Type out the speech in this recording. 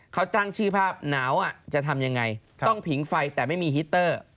เขาตั้งชื่อภาพหนาวจะทำยังไงต้องผิงไฟแต่ไม่มีฮิตเตอร์